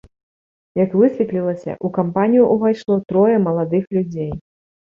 Як высветлілася, у кампанію ўвайшло трое маладых людзей.